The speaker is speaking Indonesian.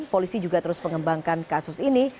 polisi juga terus mengembangkan kasus ini